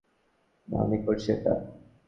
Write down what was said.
আমি করছি এটা।